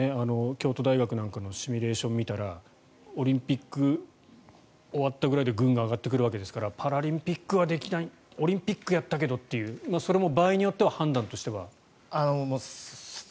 さっきの京都大学のシミュレーションを見たらオリンピック終わったぐらいでグングン上がってくるわけですからパラリンピックはできないオリンピックはやったけどというのはそれも場合によっては判断としては。